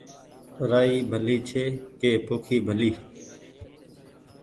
رآئي ڀلي ڇي ڪي پوکي ڀلي